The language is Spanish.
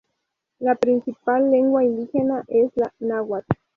La principal lengua indígena es la náhuatl.